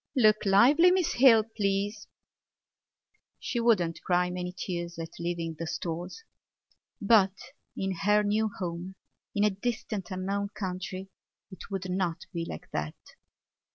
"Look lively, Miss Hill, please." She would not cry many tears at leaving the Stores. But in her new home, in a distant unknown country, it would not be like that.